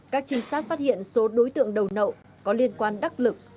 các trinh sát phát hiện số đối tượng đầu nậu có liên quan đắc lực